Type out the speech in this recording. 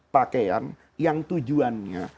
pakaian yang tujuannya